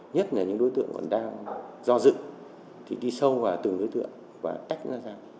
nhất là những đối tượng còn đang do dựng thì đi sâu vào từng đối tượng và tách ra